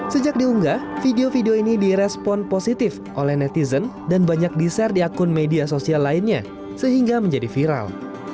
sejak diunggah video video ini direspon positif oleh netizen dan banyak di share di akun media sosial lainnya sehingga menjadi viral